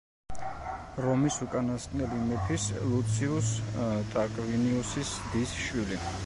რომის უკანასკნელი მეფის ლუციუს ტარკვინიუსის დის შვილი.